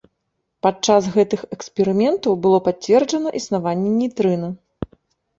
Падчас гэтых эксперыментаў было пацверджана існаванне нейтрына.